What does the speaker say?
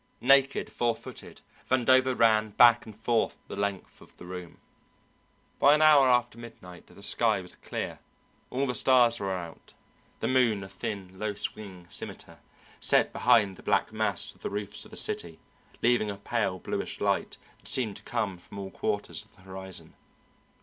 Naked, four footed, Vandover ran back and forth the length of the room. By an hour after midnight the sky was clear, all the stars were out, the moon a thin, low swinging scimitar, set behind the black mass of the roofs of the city, leaving a pale bluish light that seemed to come from all quarters of the horizon.